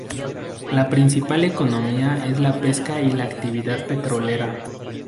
La principal economía es la pesca y la actividad petrolera.